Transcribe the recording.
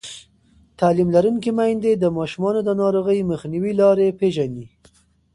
تعلیم لرونکې میندې د ماشومانو د ناروغۍ مخنیوي لارې پېژني.